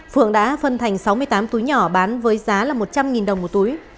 phượng đã phân thành sáu mươi tám túi nhỏ bán với giá là một trăm linh đồng một túi